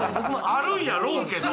あるんやろうけど。